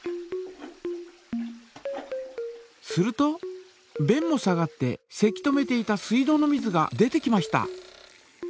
するとべんも下がってせき止めていた水道の水が出てきました。